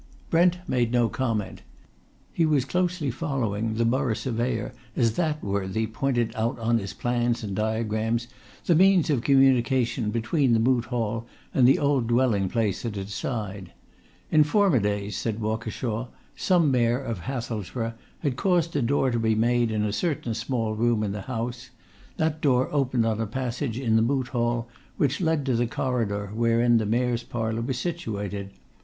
Brent made no comment. He was closely following the Borough Surveyor as that worthy pointed out on his plans and diagrams the means of communication between the Moot Hall and the old dwelling place at its side. In former days, said Walkershaw, some Mayor of Hathelsborough had caused a door to be made in a certain small room in the house; that door opened on a passage in the Moot Hall which led to the corridor wherein the Mayor's Parlour was situated.